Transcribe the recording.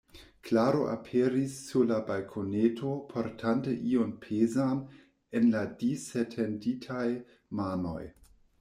Klaro aperis sur la balkoneto, portante ion pezan en la disetenditaj manoj.